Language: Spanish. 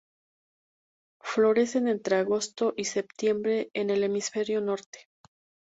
Florecen entre agosto y septiembre en el hemisferio norte.